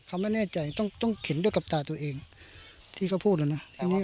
เขาไม่แน่ใจต้องต้องเข็นด้วยกับตาตัวเองที่เขาพูดแล้วนะ